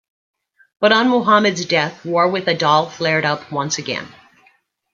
But on Muhammad's death, war with Adal flared up once again.